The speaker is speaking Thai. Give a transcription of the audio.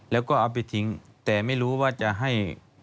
แล้วก็เอาไปทิ้งแต่ไม่รู้ว่าจะให้